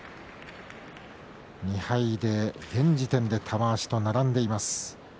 ２敗で現時点で玉鷲と並んでいます。